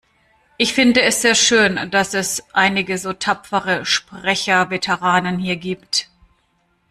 Ich finde es sehr schön, dass es einige so tapfere Sprecherveteranen hier gibt.